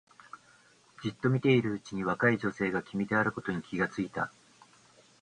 じっと見ているうちに若い女性が君であることに気がついた